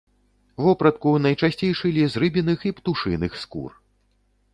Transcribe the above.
Вопратку найчасцей шылі з рыбіных і птушыных скур.